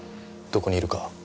どこにいるか。